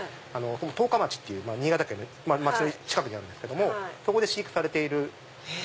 十日町っていう新潟県の町の近くにあるんですけどもそこで飼育されている。